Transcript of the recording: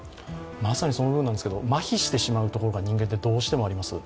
まさにその部分なんですけど、まひしてしまう部分が人間ってどうしてもあります。